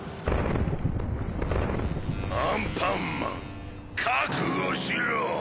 アンパンマンかくごしろ！